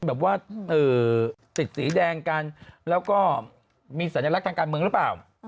แบบว่าติดสีแดงกันแล้วก็มีสัญลักษณ์ทางการเมืองหรือเปล่า